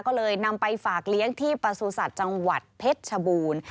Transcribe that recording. ก็เลยนำไปฝากเลี้ยงที่ประสูจัตว์จังหวัดเพชรชบูรณ์